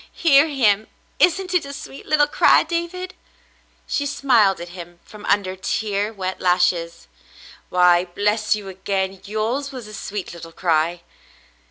"Hear him. Isn't it a sweet little cry, David .f^" She smiled at him from under tear wet lashes. "Why, bless you again ! Yours was a sweet little cry."